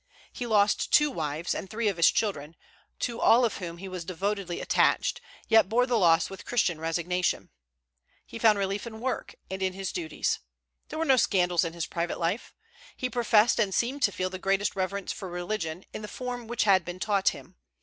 He lost two wives and three of his children, to all of whom he was devotedly attached, yet bore the loss with Christian resignation. He found relief in work, and in his duties. There were no scandals in his private life. He professed and seemed to feel the greatest reverence for religion, in the form which had been taught him.